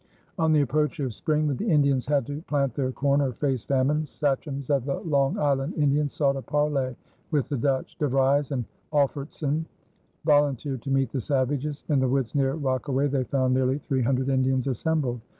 On the approach of spring, when the Indians had to plant their corn or face famine, sachems of the Long Island Indians sought a parley with the Dutch. De Vries and Olfertsen volunteered to meet the savages. In the woods near Rockaway they found nearly three hundred Indians assembled.